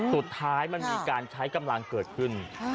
สุดท้ายมันมีการใช้กำลังเกิดขึ้น